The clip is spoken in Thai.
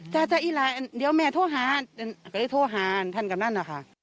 เดี๋ยวเนยอะแม่โทรหาก็ได้โทรหาท่านกับนั้น